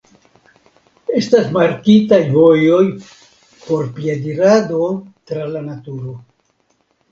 Estas markitaj vojoj por piedirado tra la naturo.